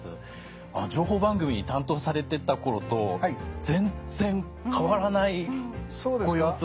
情報番組担当されてた頃と全然変わらないご様子。